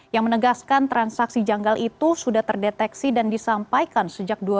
yang menegaskan transaksi janggal itu sudah terdeteksi dan disampaikan sejak dua ribu dua